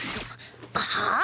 はあ？